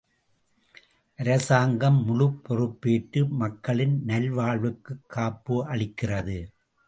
அரசாங்கம் முழுப்பொறுப்பேற்று மக்களின் நல்வாழ்வுக்குக் காப்பு அளிக்கிறது.